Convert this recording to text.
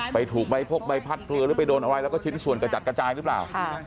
ถูกใบพกใบพัดเรือหรือไปโดนอะไรแล้วก็ชิ้นส่วนกระจัดกระจายหรือเปล่า